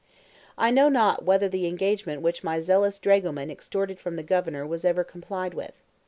I know not whether the engagement which my zealous dragoman extorted from the Governor was ever complied with.